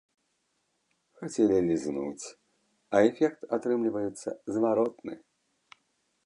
Хацелі лізнуць, а эфект атрымліваецца зваротны!